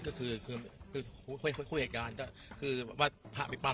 ก็คือคู่เหตุการณ์คือว่าผ้าไปปั้ม